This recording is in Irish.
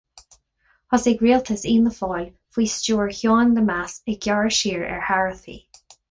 Thosaigh rialtas Fhianna Fáil, faoi stiúir Sheáin Lemass, ag gearradh siar ar tharaifí.